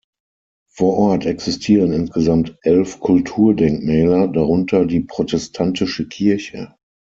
Vor Ort existieren insgesamt elf Kulturdenkmäler, darunter die protestantische Kirche.